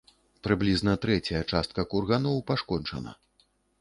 Прыблізна трэцяя частка курганоў пашкоджана.